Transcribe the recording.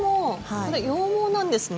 これ羊毛なんですね？